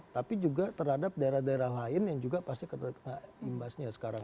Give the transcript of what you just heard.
tapi juga terhadap daerah daerah lain yang juga pasti ke imbasnya sekarang